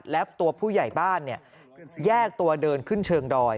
และตัวผู้ใหญ่บ้านแยกตัวเดินขึ้นเชิงดอย